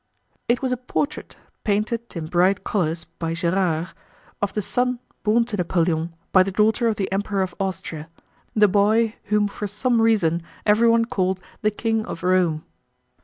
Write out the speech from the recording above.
It was a portrait, painted in bright colors by Gérard, of the son borne to Napoleon by the daughter of the Emperor of Austria, the boy whom for some reason everyone called "The King of Rome."